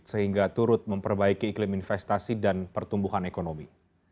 sehingga turut memperbaiki iklim investasi dan pertumbuhan ekonomi